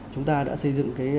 chúng ta đã xây dựng